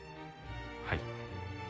はい。